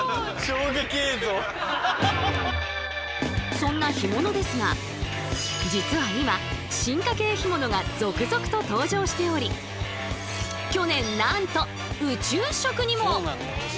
そんな干物ですが実は今進化系干物が続々と登場しており去年なんと宇宙食にも！